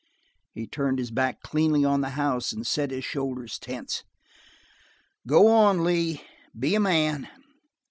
He turned his back cleanly on the house and set his shoulders tense. "Go on, Lee. Be a man."